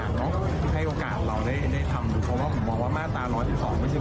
วันหนึ่งนะครับอย่างผมก็มีอยู่จากบางท่านหลายท่านท่านกนาฬักษณ์